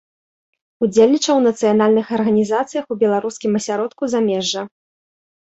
Удзельнічаў у нацыянальных арганізацыях у беларускім асяродку замежжа.